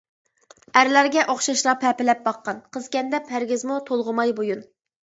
ئەرلەرگە ئوخشاشلا پەپىلەپ باققان، «قىزكەن» دەپ ھەرگىزمۇ تولغىماي بويۇن.